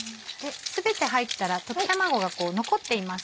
全て入ったら溶き卵が残っています。